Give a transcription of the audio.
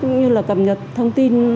cũng như là cập nhật thông tin